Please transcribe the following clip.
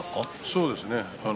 そうですね。